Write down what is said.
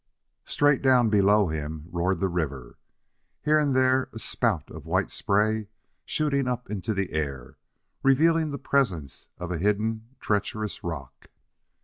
Straight down below him roared the river, here and there a spout of white spray shooting up into the air, revealing the presence of a hidden, treacherous rock.